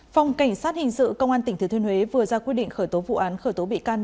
phòng cảnh sát hình sự công an tỉnh thừa thiên huế vừa ra quyết định khởi tố vụ án khởi tố bị can